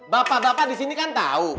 bapak bapak disini kan tahu